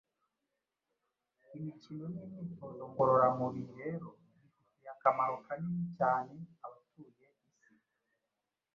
Imikino n’imyitozo ngororamubiri rero bifitiye akamaro kanini cyane abatuye isi.